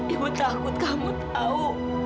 ibu takut kamu tahu